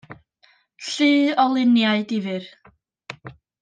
Llu o luniau difyr.